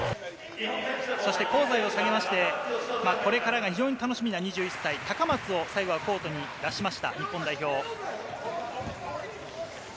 そして香西を下げまして、これからが非常に楽しみな２１歳・高松を最後にコートに出しまし